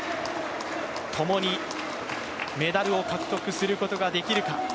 ともにメダルを獲得することができるか。